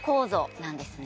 なんですね